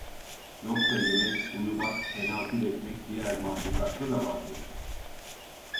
Yoksa yemek, uyumak, tenasül etmek diğer mahlukatta da vardır.